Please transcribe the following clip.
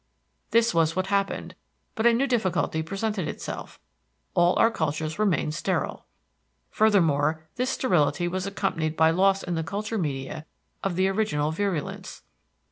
This was what happened, but a new difficulty presented itself; all our cultures remained sterile. Furthermore this sterility was accompanied by loss in the culture media of (the original) virulence.